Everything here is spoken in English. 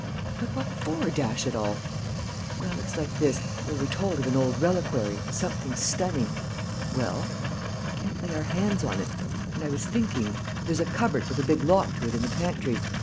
"But what for, dash it all?" "Well, it's like this: we were told of an old reliquary, something stunning...." "Well?" "We can't lay our hands on it. And I was thinking.... There's a cupboard with a big lock to it in the pantry....